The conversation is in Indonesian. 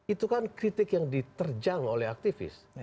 itu kan kritik yang diterjang oleh aktivis